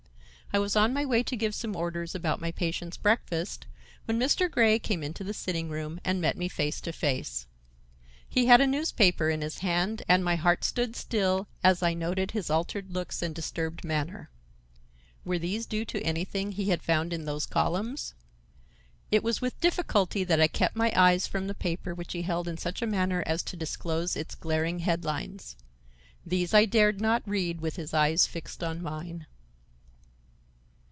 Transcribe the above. I was on my way to give some orders about my patient's breakfast, when Mr. Grey came into the sitting room and met me face to face. He had a newspaper in his hand and my heart stood still as I noted his altered looks and disturbed manner. Were these due to anything he had found in those columns? It was with difficulty that I kept my eyes from the paper which he held in such a manner as to disclose its glaring head lines. These I dared not read with his eyes fixed on mine.